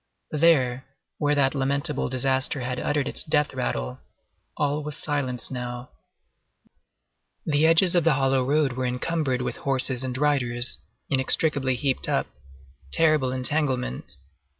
There, where that lamentable disaster had uttered its death rattle, all was silence now. The edges of the hollow road were encumbered with horses and riders, inextricably heaped up. Terrible entanglement!